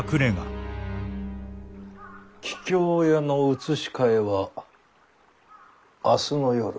桔梗屋の移し替えは明日の夜。